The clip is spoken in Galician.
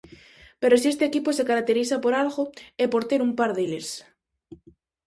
Pero si este equipo se caracteriza por algo é por ter "un par deles".